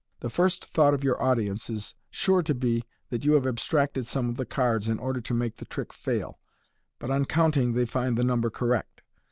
The first thought of your audience is sure to be that you have abstracted some of the cards in order to make the trick fail, but on counting they find the number correct.